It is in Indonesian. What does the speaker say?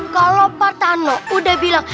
kalau pak tano udah bilang